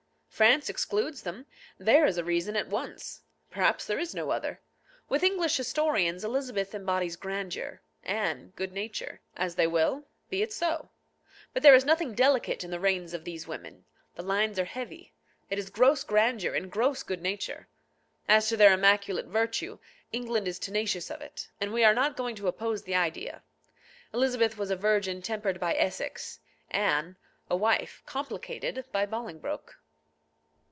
France excludes them. There is a reason at once. Perhaps there is no other. With English historians Elizabeth embodies grandeur, Anne good nature. As they will. Be it so. But there is nothing delicate in the reigns of these women. The lines are heavy. It is gross grandeur and gross good nature. As to their immaculate virtue, England is tenacious of it, and we are not going to oppose the idea. Elizabeth was a virgin tempered by Essex; Anne, a wife complicated by Bolingbroke.